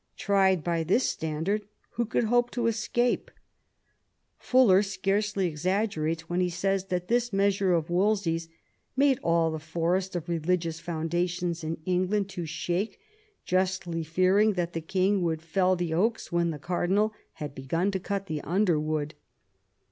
Tried by this standard, who could hope to escape 1 Fuller scarcely exaggerates when he says that this measure of Wolsey's "made all the forest of religious foundations in England to shake, justly fearing that the king would fell the oaks when the cardinal had begun to cut the underwood."